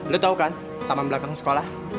lo tau kan taman belakang sekolah